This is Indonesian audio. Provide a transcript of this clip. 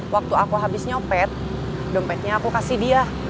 waktu aku habis nyopet dompetnya aku kasih dia